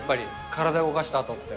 体を動かしたあとって。